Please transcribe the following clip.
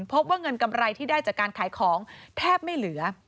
พบว่าเงินกำไรที่ได้จากการขายของแทบไม่เหลือ